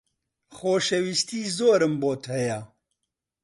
خۆشەویستیی زۆرم بۆت هەیە.